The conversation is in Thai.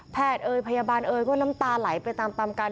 เอ่ยพยาบาลเอยก็น้ำตาไหลไปตามตามกัน